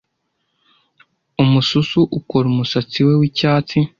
umususu ukora umusatsi we w'icyatsi